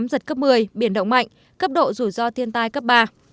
giật cấp một mươi biển động mạnh cấp độ rủi ro thiên tai cấp ba